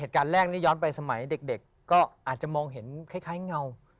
การแรกนี้ย้อนไปสมัยเด็กก็อาจจะมองเห็นคล้ายเงา